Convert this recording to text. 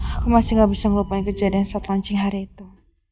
aku masih gak bisa ngelupain kejadian suatu launching hari itu